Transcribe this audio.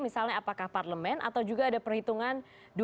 misalnya apakah parlemen atau juga ada perhitungan